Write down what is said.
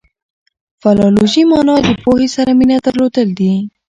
فلالوژي مانا د پوهي سره مینه درلودل دي.